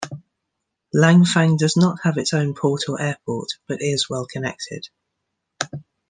Langfang does not have its own port or airport, but is well connected.